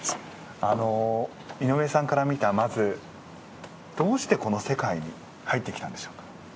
井上さんから見た、まずどうして、この世界に入ってきたんでしょうか？